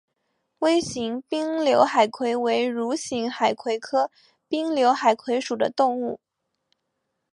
微型滨瘤海葵为蠕形海葵科滨瘤海葵属的动物。